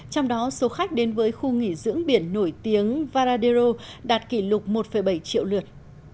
trong đó số khách đến với khu nghỉ dưỡng biển nổi tiếng varadero đạt kỷ lục một bảy triệu lượt